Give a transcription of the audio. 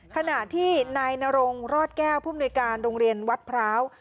ขณะที่นายนรงรอดแก้วผู้มนุยการโรงเรียนวัดพร้าว